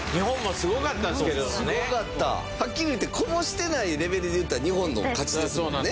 すごかったはっきり言ってこぼしてないレベルでいったら日本の勝ちですもんね